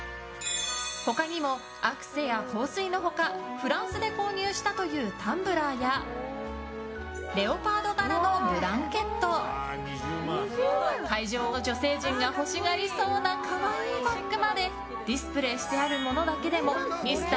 他にもアクセや香水の他フランスで購入したというタンブラーやレオパード柄のブランケット会場の女性陣が欲しがりそうな可愛いバッグまでディスプレーしてあるものだけでもＭｒ．